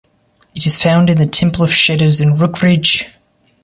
It is found in the Temple of Shadows in Rookridge.